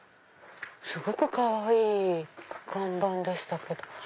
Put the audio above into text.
すごくかわいい看板でしたけど。